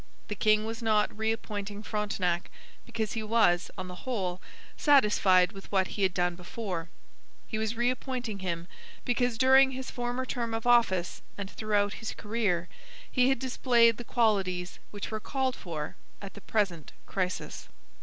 The king was not reappointing Frontenac because he was, on the whole, satisfied with what he had done before; he was reappointing him because during his former term of office and throughout his career he had displayed the qualities which were called for at the present crisis.